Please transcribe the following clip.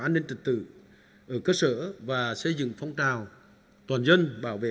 an ninh trật tự ở cơ sở và xây dựng phong trào toàn dân bảo vệ